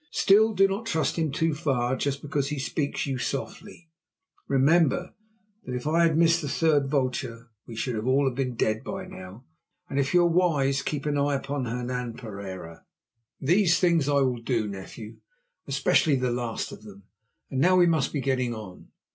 Still, do not trust him too far just because he speaks you softly. Remember, that if I had missed the third vulture, we should all have been dead by now. And, if you are wise, keep an eye upon Hernan Pereira." "These things I will do, nephew, especially the last of them; and now we must be getting on.